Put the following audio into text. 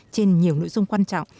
trên nhiều nội dung quan trọng